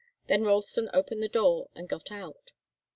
Then Ralston opened the door and got out.